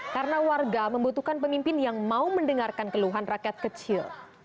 karena warga membutuhkan pemimpin yang mau mendengarkan keluhan rakyat kecil